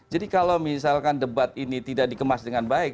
jadi kalau misalkan debat ini tidak dikemas dengan baik